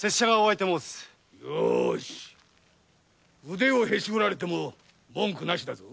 腕をへし折られても文句なしだぞ。